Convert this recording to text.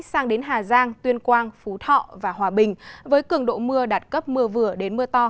sang đến hà giang tuyên quang phú thọ và hòa bình với cường độ mưa đạt cấp mưa vừa đến mưa to